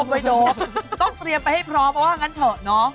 ไม่โดนต้องเตรียมไปให้พร้อมเพราะว่างั้นเถอะเนาะ